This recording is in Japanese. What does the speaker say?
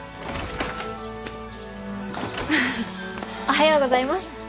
おはようございます。